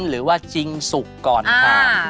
หรือว่าจริงสุกก่อนทาน